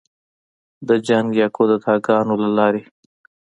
د جنګ یا کودتاه ګانو له لارې